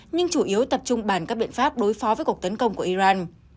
nhưng chủ yếu tập trung bàn các biện pháp đối phó với cuộc tấn công của iran